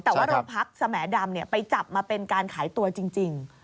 แต่ว่าโรงพักสแหมดำไปจับมาเป็นการขายตัวจริง